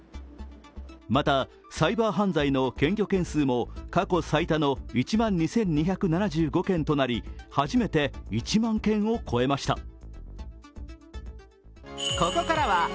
またサイバー犯罪の検挙件数も過去最多の１万２２７５件となり初めて１万件を超えました。